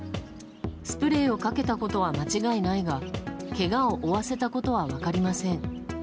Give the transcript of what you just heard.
スプレーをかけたことは間違いないがけがを負わせたことは分かりません。